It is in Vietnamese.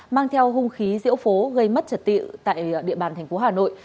mang theo hung khí diễu phố gây mất trật tự tại địa bàn tp hà nội